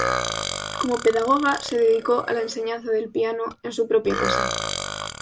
Como pedagoga se dedicó a la enseñanza del piano en su propia casa.